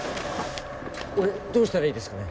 俺どうしたらいいですかね？